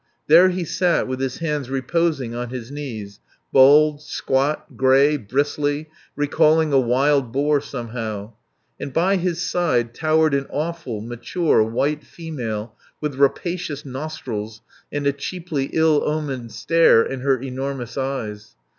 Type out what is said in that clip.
There he sat, with his hands reposing on his knees, bald, squat, gray, bristly, recalling a wild boar somehow; and by his side towered an awful mature, white female with rapacious nostrils and a cheaply ill omened stare in her enormous eyes.